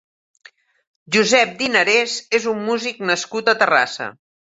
Josep Dinarés és un músic nascut a Terrassa.